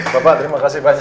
bapak terima kasih banyak